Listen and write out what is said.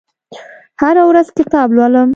هره ورځ کتاب لولم